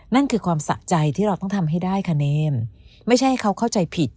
นั่นคือความสะใจที่เราต้องทำให้ได้คะแนนไม่ใช่ให้เขาเข้าใจผิด